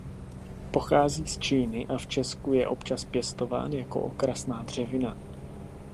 Pochází z Číny a v Česku je občas pěstován jako okrasná dřevina.